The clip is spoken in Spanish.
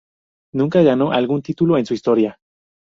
Nunca ganó algún título en su historia.